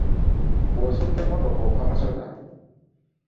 Bw’osukka emmotoka ofa omusota.